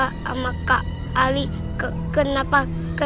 kak bella sama kak ali kenapa